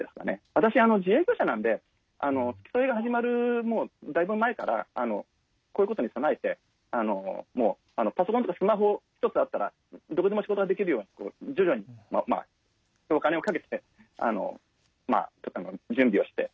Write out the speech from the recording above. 私自営業者なので付き添いが始まるだいぶ前からこういうことに備えてパソコンとかスマホ一つあったらどこでも仕事ができるように徐々にお金をかけて準備をして。